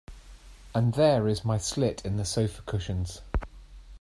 And there is my slit in the sofa cushions.